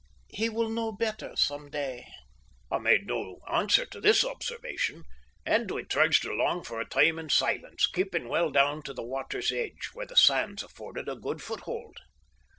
He will know better some day." I made no answer to this observation, and we trudged along for a time in silence, keeping well down to the water's edge, where the sands afforded a good foothold.